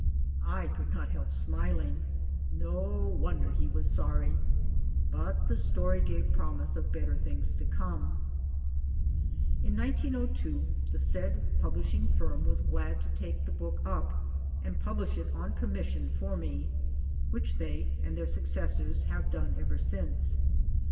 I could not help smiling. No wonder he was sorry ! But the story gave promise of better things to come. In 1902 the said publishing! firm was glad to take the book up and publish it on commission for me which they (and their successors) have done ever since.